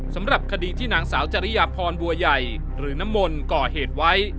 สำหรับคดีที่นางสาวจริยพรบัวใหญ่หรือน้ำมนต์ก่อเหตุไว้